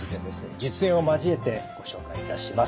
実演を交えてご紹介いたします。